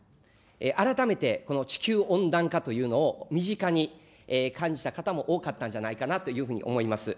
改めて、この地球温暖化というのを身近に感じた方も多かったんじゃないかなというふうに思います。